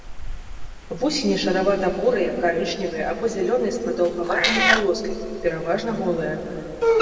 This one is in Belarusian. Вусені шаравата-бурыя, карычневыя або зялёныя з прадаўгаватымі палоскамі, пераважна голыя.